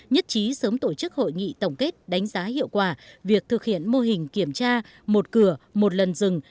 nhất trí sớm tổ chức hội nghị tổng kết đánh giá hiệu quả việc thực hiện mô hình kiểm tra một cửa một lần rừng